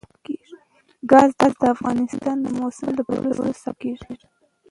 ګاز د افغانستان د موسم د بدلون سبب کېږي.